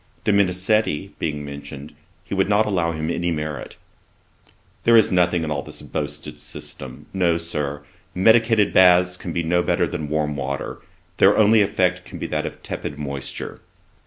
Dominicetti being mentioned, he would not allow him any merit. 'There is nothing in all this boasted system. No, Sir; medicated baths can be no better than warm water: their only effect can be that of tepid moisture.'